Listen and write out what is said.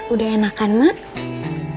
udah enakan mak